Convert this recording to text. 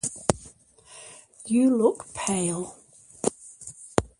You look pale.